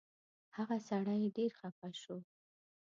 هغه سړی ډېر خفه شو.